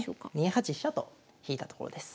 ２八飛車と引いたところです。